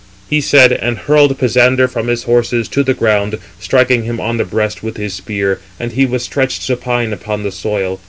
He said, and hurled Pisander from his horses to the ground, striking him on the breast with his spear; and he was stretched supine upon the soil.